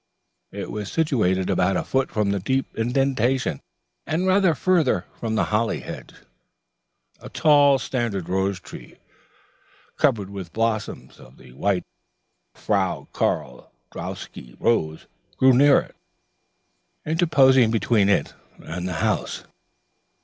It was situated about a foot from the deep indentation and rather farther from the holly hedge. A tall standard rose tree, covered with blossoms of the white Frau Karl Drouski rose, grew near it, interposing between it and the house.